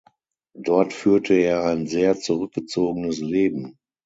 Dort führte er ein sehr zurückgezogenes Leben.